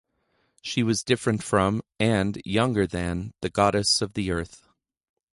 She was different from and younger than the goddess of the earth.